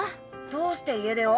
どうして家出を？